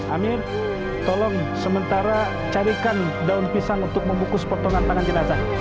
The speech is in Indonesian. amir tolong sementara carikan daun pisang untuk membungkus potongan tangan jenazah